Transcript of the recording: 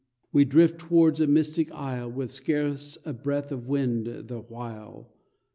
We drift towards a mystic isle, With scarce a breath of wind the while.